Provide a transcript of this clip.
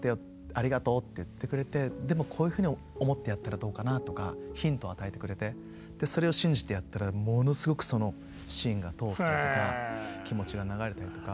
ありがとうって言ってくれてでもこういうふうに思ってやったらどうかなとかヒントを与えてくれてそれを信じてやったらものすごくそのシーンが通ったとか気持ちが流れたりとか。